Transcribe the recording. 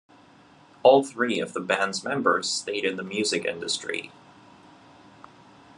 All three of the band's members stayed in the music industry.